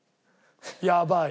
やばい！